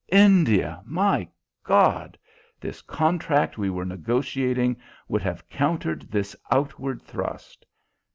India! My God! This contract we were negotiating would have countered this outward thrust.